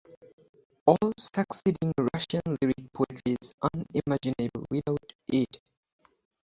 All succeeding Russian lyric poetry is unimaginable without it.